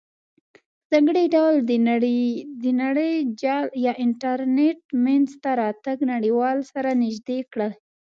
په ځانګړې ډول د نړیجال یا انټرنیټ مینځ ته راتګ نړیوال سره نزدې کړل.